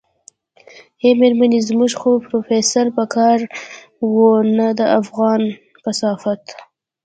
ای مېرمنې زموږ خو پروفيسر په کار و نه دا افغان کثافت.